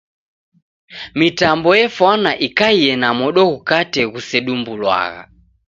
Mitambo efwana ikaie na modo ghukate ghusedumbulwagha.